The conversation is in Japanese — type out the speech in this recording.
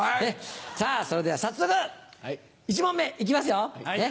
さぁそれでは早速１問目行きますよ。